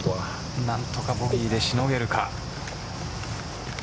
何とかボギーでしのげるか。